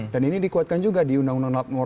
dan ini dikuatkan juga di undang undang